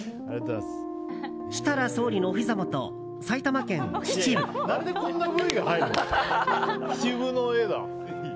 設楽総理のおひざ元埼玉県秩父。